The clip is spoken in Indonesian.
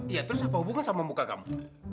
iya terus apa hubungan sama muka kamu